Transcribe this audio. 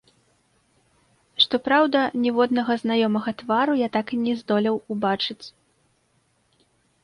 Што праўда, ніводнага знаёмага твару я так і не здолеў убачыць.